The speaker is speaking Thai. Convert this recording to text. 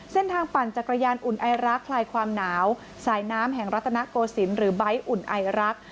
ปั่นจักรยานอุ่นไอรักคลายความหนาวสายน้ำแห่งรัฐนโกศิลป์หรือใบ้อุ่นไอรัก